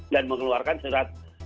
dan mengeluarkan surat